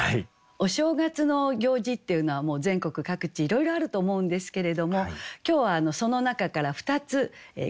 お正月の行事っていうのはもう全国各地いろいろあると思うんですけれども今日はその中から２つクイズを作ってまいりました。